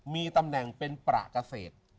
มีตำแหน่งเป็นประเกษตร